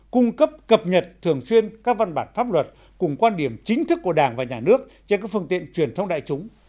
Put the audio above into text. cung cấp cập nhật thường xuyên các văn bản pháp luật cùng quan điểm chính thức của đảng và nhà nước trên các phương tiện truyền thông đại chúng